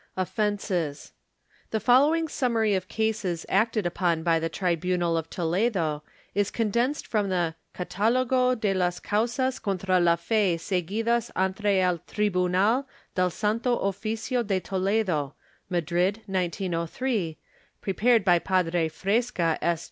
Offences. The following summary of cases acted upon by the tribunal of Toledo is condensed from the "Catdlogo de los causas contra la fe seguidas ante el Tribunal del Santo Oficio de Toledo" (Madrid, 1903) prepared by Padre Fresca, S.